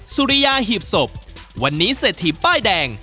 สุริยาหีบศพวันนี้เศรษฐีป้ายแดง